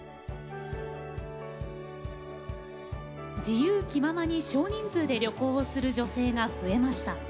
自由気ままに少人数で旅行をする女性が増えました。